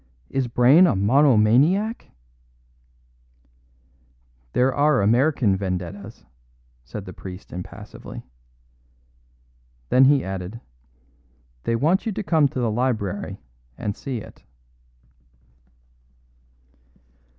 "Is Brayne a monomaniac?" "There are American vendettas," said the priest impassively. Then he added: "They want you to come to the library and see it."